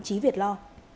chí việt lo